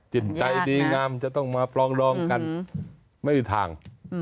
จิตใจดีงามจะต้องมาปลองดองกันไม่มีทาง